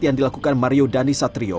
yang dilakukan mario dhani satrio